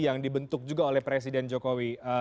yang dibentuk juga oleh presiden jokowi